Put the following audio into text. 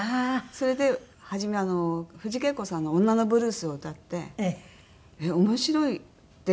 それで初め藤圭子さんの『女のブルース』を歌って「面白い」って言われたんですね